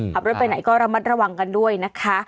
ทำไรเป็นไหนก็ระมัดระวังกันด้วยนะค่ะ